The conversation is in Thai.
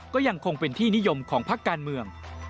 ก็ยังคงเป็นที่นิยมของพักการเมือง